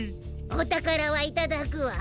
おたからはいただくわ。